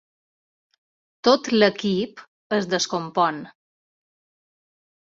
Tot l'equip es descompon.